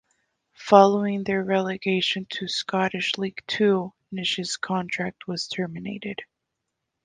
Following their relegation to Scottish League Two, Nish's contract was terminated.